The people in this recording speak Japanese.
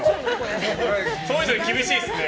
そういうのに厳しいですね